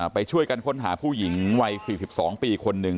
ไปช่วยกันค้นหาผู้หญิงวัย๔๒ปีคนหนึ่ง